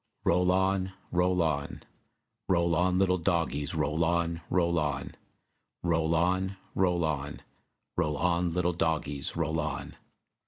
Roll on, roll on; Roll on, little dogies, roll on, roll on, Roll on, roll on; Roll on, little dogies, roll on.